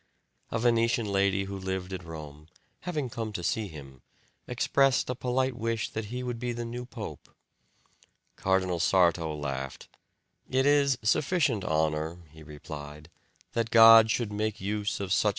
A Venetian lady who lived at Rome, having come to see him, expressed a polite wish that he would be the new pope. Cardinal Sarto laughed. "It is sufficient honour," he replied, "that God should make use of such as I to elect the pope."